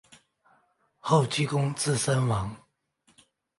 后积功至森王。